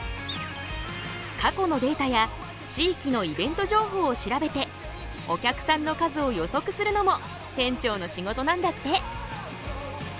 過去のデータや地域のイベント情報を調べてお客さんの数を予測するのも店長の仕事なんだって！